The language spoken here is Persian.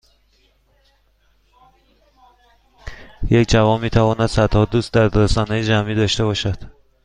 یک جوان میتواند صدها دوست در رسانههای جمعی داشته باشد